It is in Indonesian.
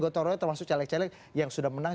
gotong royong termasuk caleg caleg yang sudah menang